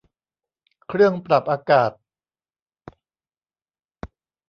เครื่องปรับอากาศ